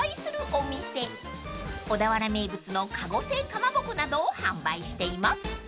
［小田原名物の籠清かまぼこなどを販売しています］